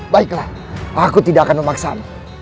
baiklah aku tidak akan memaksamu